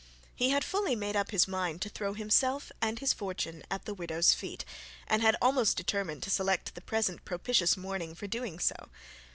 He had fully made up his mind to throw himself and his fortune at the widow's feet, and had almost determined to select the present propitious morning for doing so.